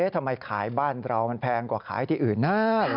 ทำไมขายบ้านเรามันแพงกว่าขายที่อื่นได้